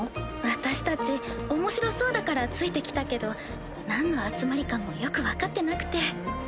私たち面白そうだからついてきたけどなんの集まりかもよく分かってなくて。